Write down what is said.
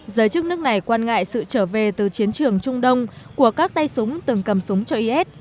giới chức nước này quan ngại sự trở về từ chiến trường trung đông của các tay súng từng cầm súng cho is